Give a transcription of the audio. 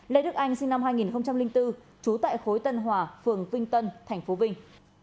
lê đức anh sinh năm hai nghìn bốn trú tại khối tân hòa phường vinh tân tp vinh